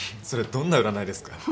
それどんな占いですか？